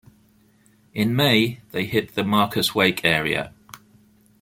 In May they hit the Marcus-Wake area.